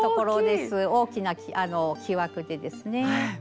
大きな木枠でですね。